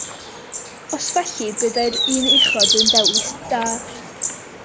Os felly, byddai'r un uchod yn dewis da.